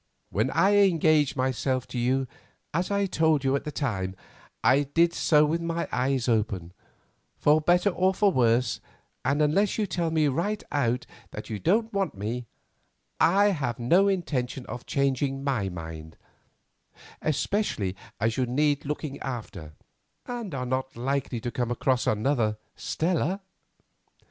When I engaged myself to you, as I told you at the time, I did so with my eyes open, for better or for worse, and unless you tell me right out that you don't want me, I have no intention of changing my mind, especially as you need looking after, and are not likely to come across another Stella.